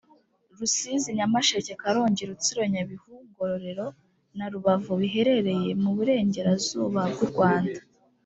Rusizi Nyamasheke Karongi Rutsiro nyabihu ngororero na rubavu biherereye muburengera zuba bw u rwanda